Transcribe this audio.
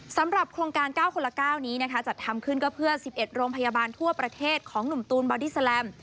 สำหรับโครงการ๙คนละ๙นี้นะคะจัดทำขึ้นก็เพื่อ๑๑โรงพยาบาลทั่วประเทศของหนุ่มตูนบอดี้แลม